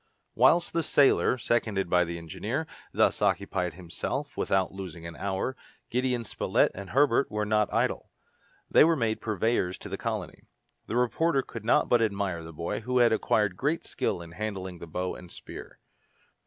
Whilst the sailor, seconded by the engineer, thus occupied himself without losing an hour, Gideon Spilett and Herbert were not idle. They were made purveyors to the colony. The reporter could not but admire the boy, who had acquired great skill in handling the bow and spear.